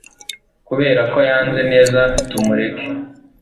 Kuberako yanze neza tumureke